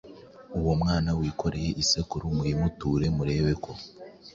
Uwo mwana wikoreye isekuru, muyimuture, murebe ko